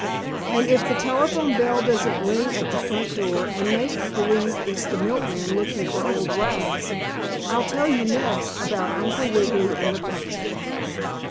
And if the telephone bell doesn't ring at the front door and make believe it's the milkman looking for old rags, I'll tell you next about Uncle Wiggily and the puppy.